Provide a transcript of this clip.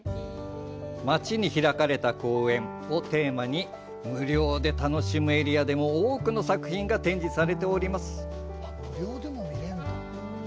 「まちに開かれた公園」をテーマに無料で楽しめるエリアにも多くの作品が展示されています。